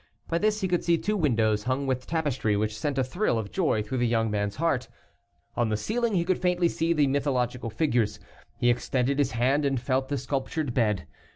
By this he could see two windows, hung with tapestry, which sent a thrill of joy through the young man's heart. On the ceiling he could faintly see the mythological figures; he extended his hand, and felt the sculptured bed.